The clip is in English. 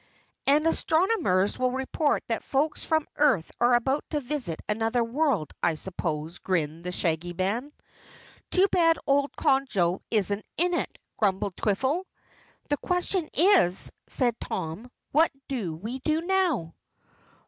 "And astronomers will report that folks from earth are about to visit another world, I suppose," grinned the Shaggy Man. "Too bad old Conjo isn't in it," grumbled Twiffle. "The question is," said Tom, "what do we do now?"